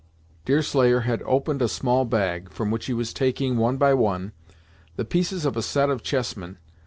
Deerslayer had opened a small bag, from which he was taking, one by one, the pieces of a set of chessmen.